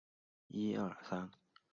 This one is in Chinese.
曾任空军军官学校校长。